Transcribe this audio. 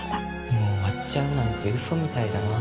もう終わっちゃうなんてウソみたいだなぁ。